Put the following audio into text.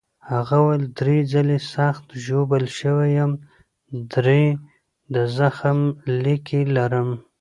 هغه وویل: درې ځلي سخت ژوبل شوی یم، درې د زخم لیکې لرم.